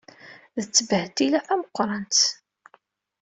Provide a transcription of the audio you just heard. D ttbehdila tameqrant!